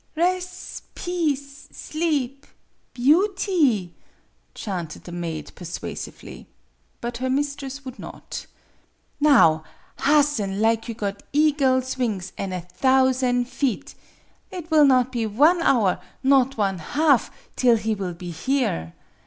"" Res' peace sleep beauty," chanted the maid, persuasively. But her mistress would not. " Now, hasten lig you got eagle's wings an' a thousan' feet! It will not be one hour not one half till he will be here.